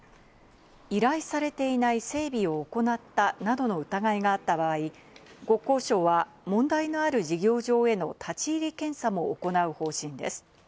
依頼されていない整備を行ったなどの疑いがあった場合、国交省は問題のある事業場への立ち入り検査も行う方針です。